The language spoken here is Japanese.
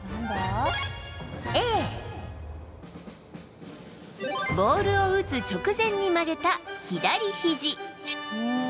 Ａ、ボールを打つ直前に曲げた左ひじ。